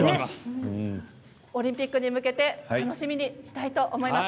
オリンピックに向かって楽しみにしたいと思います。